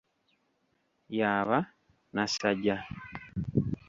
Y'aba nassajja.